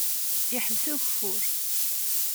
Iḥbes ugeffur.